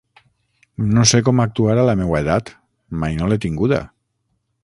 No sé com actuar a la meua edat: mai no l'he tinguda.